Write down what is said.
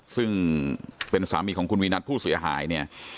ซึ่งเป็นสามีของคุณวีนัทผู้เสียหายเนี่ย